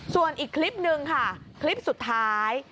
ส่วนอีกคลิปนึงค่ะคลิปสุดท้าย